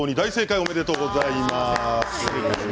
おめでとうございます。